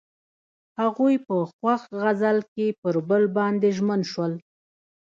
هغوی په خوښ غزل کې پر بل باندې ژمن شول.